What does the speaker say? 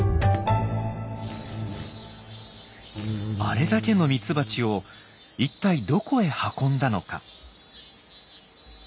あれだけのミツバチを一体どこへ運んだのか。